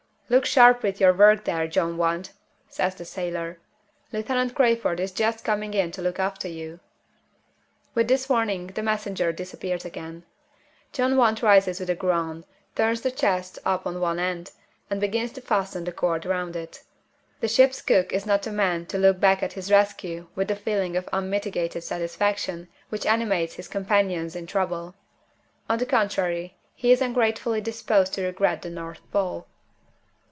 "Look sharp with your work there, John Want!" says the sailor. "Lieutenant Crayford is just coming in to look after you." With this warning the messenger disappears again. John Want rises with a groan, turns the chest up on one end, and begins to fasten the cord round it. The ship's cook is not a man to look back on his rescue with the feeling of unmitigated satisfaction which animates his companions in trouble. On the contrary, he is ungratefully disposed to regret the North Pole.